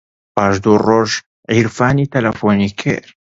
پاش دوو ڕۆژ عیرفانی تەلەفۆنی کرد.